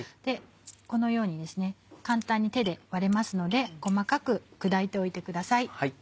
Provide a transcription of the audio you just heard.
このように簡単に手で割れますので細かく砕いておいてください。